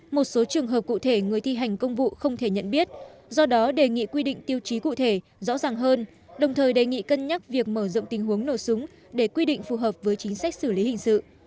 một số trường hợp cụ thể người thi hành công vụ không thể nhận biết do đó đề nghị quy định tiêu chí cụ thể rõ ràng hơn đồng thời đề nghị cân nhắc việc mở rộng tình huống nổ súng để quy định phù hợp với chính sách xử lý hình sự